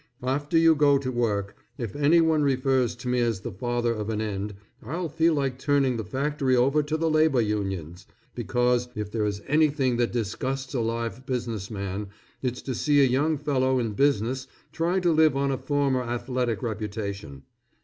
After you go to work, if anyone refers to me as the father of an end, I'll feel like turning the factory over to the labor unions, because if there is anything that disgusts a live business man it's to see a young fellow in business trying to live on a former athletic reputation.